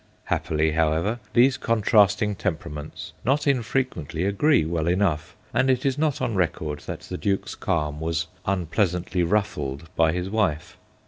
Happily, however, these contrasting tem peraments not infrequently agree well enough, and it is not on record that the Duke's calm was unpleasantly ruffled by his wife.